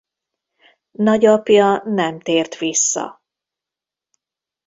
Nagyapja nem tért vissza.